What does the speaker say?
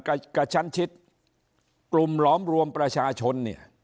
กับชั้นชิดกลุ่มหลอมรวมประชาชน